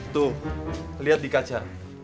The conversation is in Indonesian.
tuh liat di kaca